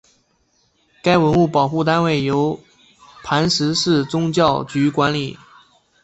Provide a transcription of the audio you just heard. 该文物保护单位由磐石市宗教局管理。